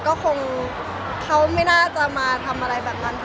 คงไม่ทน่าจะมาทำอะไรแบบนั้น